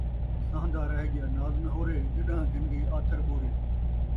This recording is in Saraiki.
سہن٘دا رہ ڳیا ناز نہورے ، گݙان٘ھ گھن ڳئی آتھر ٻورے